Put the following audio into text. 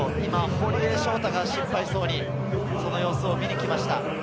堀江翔太が心配そうに様子を見に来ました。